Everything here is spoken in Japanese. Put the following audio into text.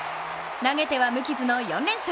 投げては無傷の４連勝。